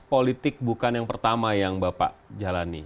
politik bukan yang pertama yang bapak jalani